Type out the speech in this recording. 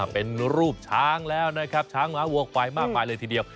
เป็นรูปช้างแล้วนะครับช้างหมาววกไฟมากไปเลยทีเดียว